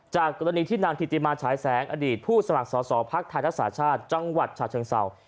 จากกรณีที่นางถิติมาฉายแสงอดีตผู้สมัครสอสอภักดิ์ไทยรักษาชาติจังหวัดฉะเชิงเศร้า